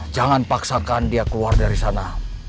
jangan paksakan dia keluar dari sana